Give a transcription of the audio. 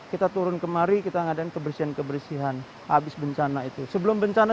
kita turun kemari kita ngadain kebersihan kebersihan habis bencana itu sebelum bencana